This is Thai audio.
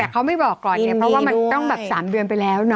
แต่เขาไม่บอกก่อนไงเพราะว่ามันต้องแบบ๓เดือนไปแล้วเน